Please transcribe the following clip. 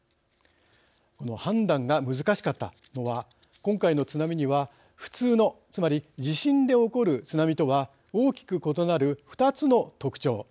判断が難しかったのは今回の津波には普通のつまり地震で起こる津波とは大きく異なる２つの特徴